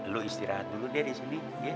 lu istirahat dulu deh disini